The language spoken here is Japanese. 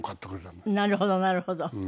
なるほどなるほど。